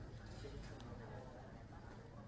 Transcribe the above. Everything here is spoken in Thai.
อันนี้มีเหตุการณ์ล้อมธรรมิเหตุครั้งหนึ่ง